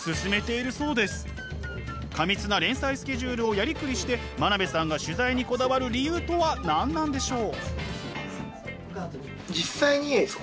過密な連載スケジュールをやりくりして真鍋さんが取材にこだわる理由とは何なんでしょう？